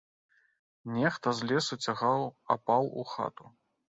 Нехта з лесу цягаў апал у хату.